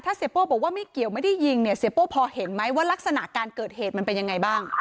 เสียโป้บอกว่าไม่เกี่ยวไม่ได้ยิงเนี่ยเสียโป้พอเห็นไหมว่ารักษณะการเกิดเหตุมันเป็นยังไงบ้าง